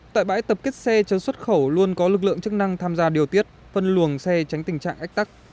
tại bãi tập kết xe chở xuất khẩu luôn có lực lượng chức năng tham gia điều tiết phân luồng xe tránh tình trạng ách tắc